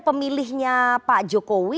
pemilihnya pak jokowi